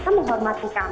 mereka menghormati kami